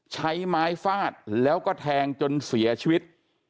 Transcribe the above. ใช้ไม้ฟาดแล้วก็แทงจนเสียชีวิต